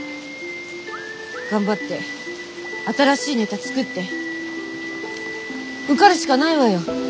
頑張って新しいネタ作って受かるしかないわよ